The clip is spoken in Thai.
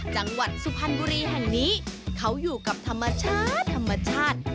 จังหวัดสุพรรณบุรีแห่งนี้เขาอยู่กับธรรมชาติธรรมชาติ